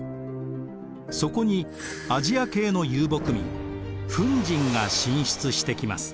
そこにアジア系の遊牧民フン人が進出してきます。